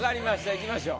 いきましょう。